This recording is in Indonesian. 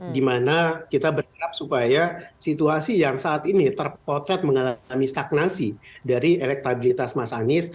dimana kita berharap supaya situasi yang saat ini terpotret mengalami stagnasi dari elektabilitas mas anies